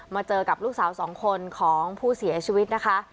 เจอกับลูกสาวสองคนของผู้เสียชีวิตนะคะ